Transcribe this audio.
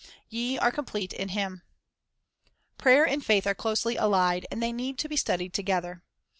" Ye are complete in Him." ' Prayer and faith are closely allied, and they need to be studied together.